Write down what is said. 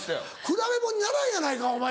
比べもんにならんやないかお前。